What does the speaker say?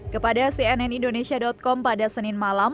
kepada cnnindonesia com pada senin malam